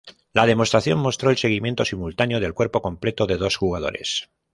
La demostración mostró el seguimiento simultáneo del cuerpo completo de dos jugadores.